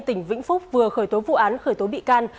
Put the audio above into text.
tỉnh vĩnh phúc vừa khởi tố vụ án khởi tố bị can